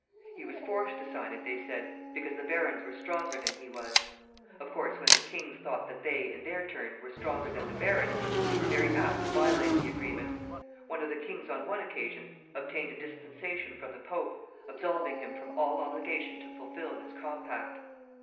He was forced to sign it, they said, because the barons were stronger than he was. Of course, when the kings thought that they, in their turn, were stronger than the barons, they were very apt to violate the agreement. One of the kings on one occasion obtained a dispensation from the Pope, absolving him from all obligation to fulfill this compact.